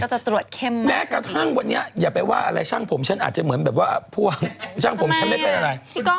ก็จะตรวจเข้มมากกว่าแม้กระทั่งวันนี้อย่าไปว่าช่างผมฉันมันช่างไม่เป็นอะไร